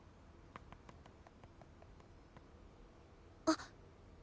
あっ。